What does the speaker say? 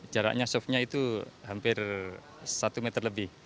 jaraknya softnya itu hampir satu meter lebih